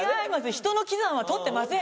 人の喜山は取ってません！